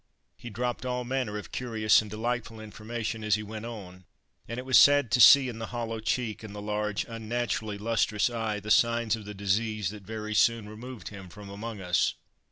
He dropped all manner of curious and delightful information as he went on, and it was sad to see in the hollow cheek and the large, unnaturally lustrous eye the signs of the disease that very soon removed him from among us.